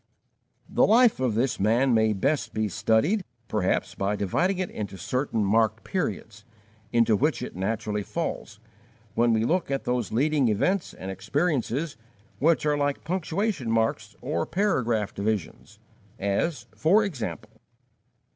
The life of this man may best be studied, perhaps, by dividing it into certain marked periods, into which it naturally falls, when we look at those leading events and experiences which are like punctuation marks or paragraph divisions, as, for example: 1.